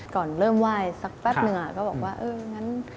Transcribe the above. ก่อนเริ่มไหว้สักแป๊บหนึ่งก็บอกว่าเอองั้น